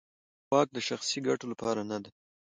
واک د شخصي ګټو لپاره نه دی.